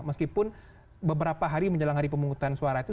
meskipun beberapa hari menjelang hari pemungutan suara itu